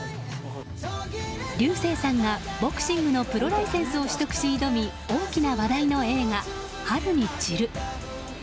流星さんがボクシングのプロライセンスを取得し挑み大きな話題の映画「春に散る」。